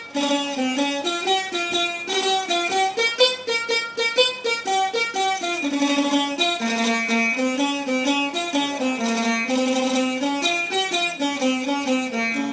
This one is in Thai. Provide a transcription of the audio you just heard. โปรเอาไว้โชว์ให้เราดูหน่อยนะครับ